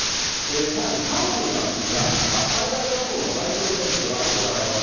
さらに、韓国なんですが、最大野党の代表選挙が行われます。